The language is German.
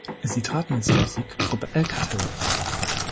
Sie treten als Musikgruppe "El Cartel" auf.